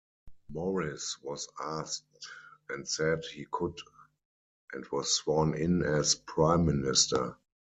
Morris was asked and said he could and was sworn in as Prime Minister.